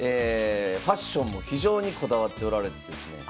ファッションも非常にこだわっておられてですね。